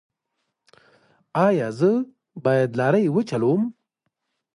ایا زه باید لارۍ وچلوم؟